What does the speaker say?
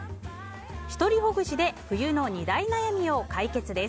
ひとりほぐしで冬の２大悩みを解決です。